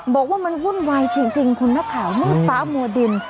บอกว่ามันวุ่นวายจริงคุณนักข่าวมืดฟ้ามัวดิน